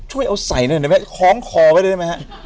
ช่วยเอาใส่หน่อยได้ไหมคล้องคอไว้ได้ไหมฮะ